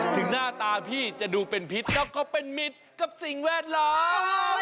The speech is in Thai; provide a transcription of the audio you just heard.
หน้าตาพี่จะดูเป็นพิษแล้วก็เป็นมิตรกับสิ่งแวดล้อม